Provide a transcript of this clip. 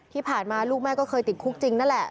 ที่ผ่านมาลูกแม่ก็เคยติดคุกจริงนั่นแหละ